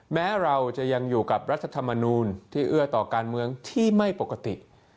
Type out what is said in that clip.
แม้เราจะยังอยู่กับรัฐธรรมนูลที่เอื้อต่อการเมืองที่ไม่ปกติ